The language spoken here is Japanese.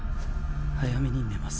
早めに寝ます。